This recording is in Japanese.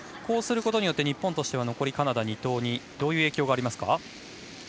こうすることで日本としては残りのカナダにどういう影響がありますか。